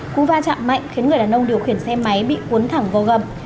cú va chạm mạnh khiến người đàn ông điều khiển xe máy bị cuốn thẳng vô gầm